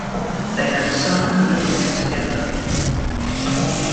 They had a son and a daughter together.